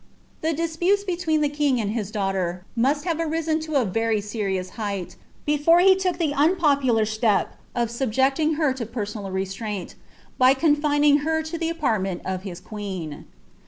The dio pMe« oetweea the king and hi^ daughter must have arisen to a veiy moaoa height, before he look the unpopular step of subjecting her to ptaoiwl nairaint, by confining her to the apartment of his queen.